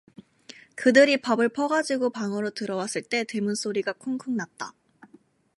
그들이 밥을 퍼가지고 방으로 들어왔을 때 대문 소리가 쿵쿵 났다.